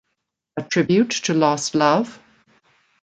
A tribute to lost love?